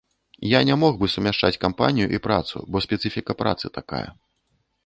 Я не мог бы сумяшчаць кампанію і працу, бо спецыфіка працы такая.